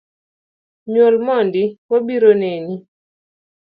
Nyuol mondi, wabiro neni